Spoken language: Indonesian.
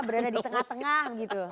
berada di tengah tengah gitu